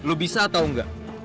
lu bisa atau enggak